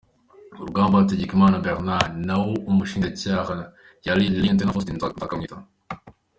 Rugamba Hategekimana Bernard naho umushinjacyaha yari Lt Faustin Nzakamwita.